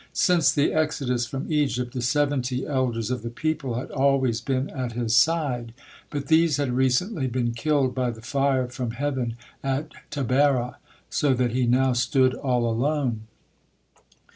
Since the exodus from Egypt the seventy elders of the people had always been at his side, but these had recently been killed by the fire from heaven at Taberah, so that he now stood all alone.